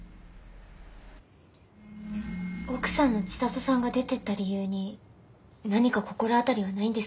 奥さんの知里さんが出て行った理由に何か心当たりはないんですか？